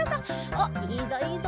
おっいいぞいいぞ！